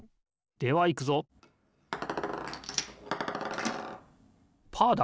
ではいくぞパーだ！